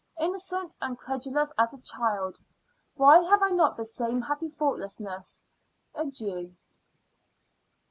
Innocent and credulous as a child, why have I not the same happy thoughtlessness? Adieu!